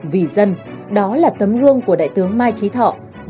vì dân đó là tấm gương của đại tướng mai trí thọ và cũng là mệnh lệnh